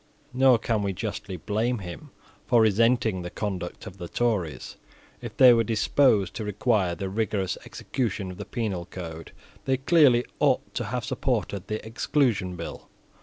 Nor can we justly blame him for resenting the conduct of the Tories If they were disposed to require the rigorous execution of the penal code, they clearly ought to have supported the Exclusion Bill.